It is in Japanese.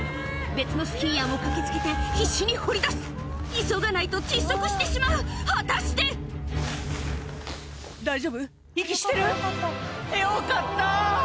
別のスキーヤーも駆け付けて必死に掘り出す急がないと窒息してしまう果たして⁉「大丈夫？息してる⁉」「よかった！」